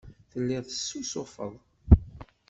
Telliḍ tessusufeḍ.